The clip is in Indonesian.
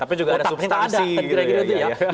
tapi juga ada substansi